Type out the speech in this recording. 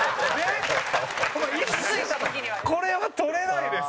これは、捕れないです！